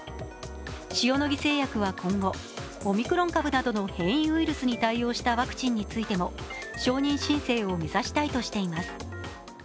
塩野義製薬は今後、オミクロン株などの変異ウイルスに対応したワクチンについても、承認申請を目指したいとしています。